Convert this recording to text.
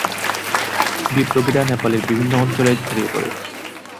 বিপ্লবীরা নেপালের বিভিন্ন অঞ্চলে ছড়িয়ে পড়ে।